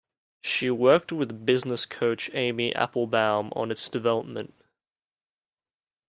She worked with business coach Amy Applebaum on its development.